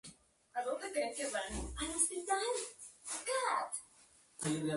Copa Presidente